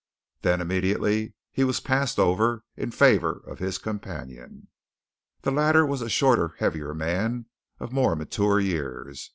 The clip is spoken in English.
Then immediately he was passed over in favour of his companion. The latter was a shorter, heavier man, of more mature years.